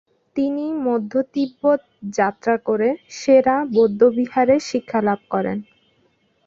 তিনি মধ্য তিব্বত যাত্রা করে সে-রা বৌদ্ধবিহারে শিক্ষালাভ করেন।